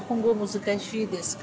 難しいですか？